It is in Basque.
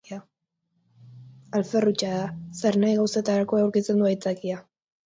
Alfer hutsa da, zernahi gauzatarako aurkitzen du aitzakia.